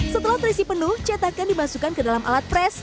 setelah terisi penuh cetakan dimasukkan ke dalam kain